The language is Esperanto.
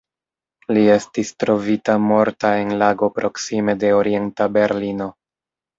Li estis trovita morta en lago proksime de Orienta Berlino.